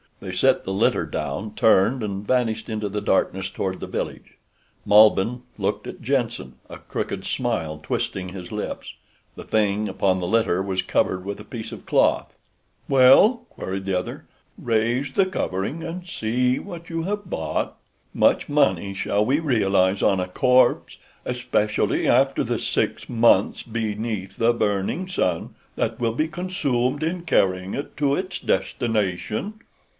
They set the litter down, turned and vanished into the darkness toward the village. Malbihn looked at Jenssen, a crooked smile twisting his lips. The thing upon the litter was covered with a piece of cloth. "Well?" queried the latter. "Raise the covering and see what you have bought. Much money shall we realize on a corpse—especially after the six months beneath the burning sun that will be consumed in carrying it to its destination!"